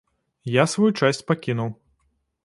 Я сваю часць пакінуў.